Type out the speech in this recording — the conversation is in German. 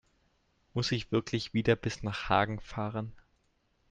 Muss ich wirklich wieder bis nach Hagen fahren?